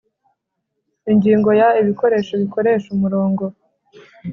ingingo ya ibikoresho bikoresha umurongo